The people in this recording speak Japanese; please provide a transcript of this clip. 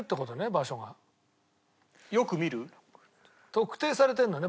特定されてるのね？